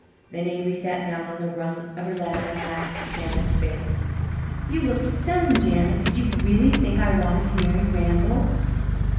Then Avery sat down on the rung of her ladder and laughed at Janet's face. "You look stunned, Janet. Did you really think I wanted to marry Randall?"